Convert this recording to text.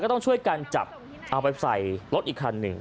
ต้องช่วยกันจับเอาไปใส่รถอีกคันหนึ่ง